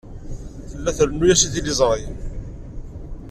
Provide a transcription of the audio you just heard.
Tella trennu-as i tliẓri.